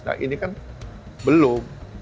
nah ini kan belum